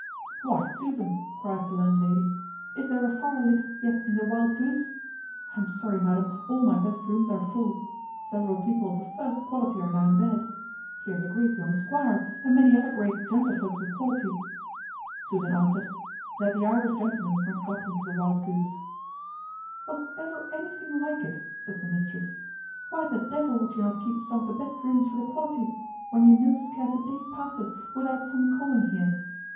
"Why, Susan," cries the landlady, "is there a fire lit yet in the Wild goose? I am sorry, madam, all my best rooms are full. Several people of the first quality are now in bed. Here's a great young squire, and many other great gentlefolks of quality." Susan answered, "That the Irish gentlemen were got into the Wild goose." "Was ever anything like it?" says the mistress; "why the devil would you not keep some of the best rooms for the quality, when you know scarce a day passes without some calling here?